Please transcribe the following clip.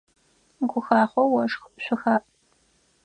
Гухахъо ошх, шъухаӏ!